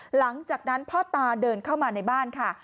หลังจากนั้นพ่อตาเดินเข้ามาในบ้านค่ะ